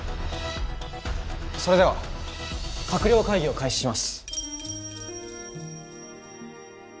それでは閣僚会議を開始します。